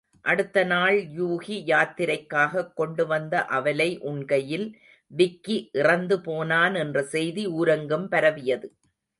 அடுத்த நாள், யூகி யாத்திரைக்காகக் கொண்டுவந்த அவலை உண்கையில் விக்கி இறந்து போனான் என்ற செய்தி ஊரெங்கும் பரவியது.